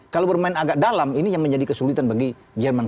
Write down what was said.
kalau bermain agak dalam ini yang menjadi kesulitan bagi jerman